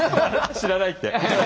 知らないって。